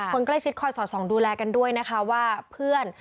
คนใกล้ชิดคอยสอดส่องดูแลกันด้วยนะคะว่าเพื่อน